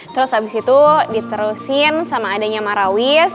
terus habis itu diterusin sama adanya marawis